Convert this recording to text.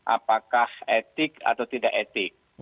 apakah etik atau tidak etik